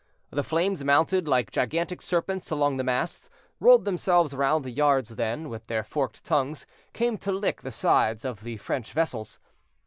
The flames mounted like gigantic serpents along the masts, rolled themselves round the yards, then, with their forked tongues, came to lick the sides of the French vessels.